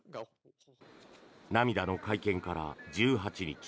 涙の会見から１８日。